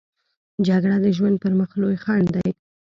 جګړه د ژوند پر مخ لوی خنډ دی